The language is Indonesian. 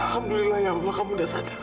alhamdulillah ya allah kamu sudah sadar